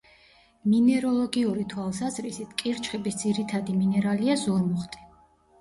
მინეროლოგიური თვალსაზრისით, კირჩხიბის ძირითადი მინერალია: ზურმუხტი.